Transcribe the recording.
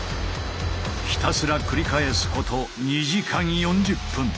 ひたすら繰り返すこと２時間４０分。